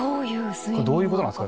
どういうことなんすか？